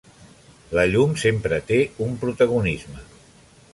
La llum sempre té un protagonisme.